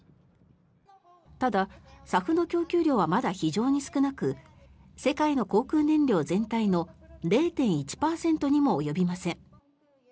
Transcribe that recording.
ただ、ＳＡＦの供給量はまだ非常に少なく世界の航空燃料全体の０．１％にも及びません。